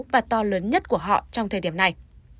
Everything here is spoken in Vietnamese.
và to lớn nhất của họ trong thời điểm này